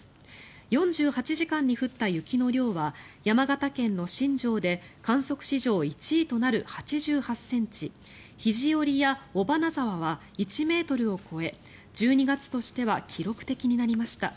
４８時間に降った雪の量は山形県の新庄で観測史上１位となる８８ｃｍ肘折や尾花沢は１ｍを超え１２月としては記録的になりました。